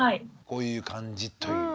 こういう感じという。